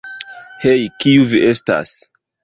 Hej, kiu vi estas?